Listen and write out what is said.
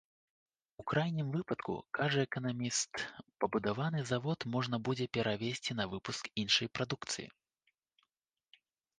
У крайнім выпадку, кажа эканаміст, пабудаваны завод можна будзе перавесці на выпуск іншай прадукцыі.